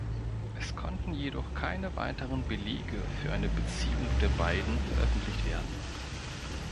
Es konnten jedoch keine weiteren Belege für eine Beziehung der beiden veröffentlicht werden.